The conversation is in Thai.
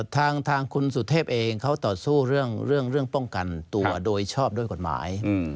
ทางคุณสุทธิพย์เองเขาต่อสู้เรื่องเรื่องป้องกันตัวโดยชอบโดยกฎหมาย